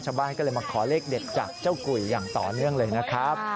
ชาวบ้านก็เลยมาขอเลขเด็ดจากเจ้ากุยอย่างต่อเนื่องเลยนะครับ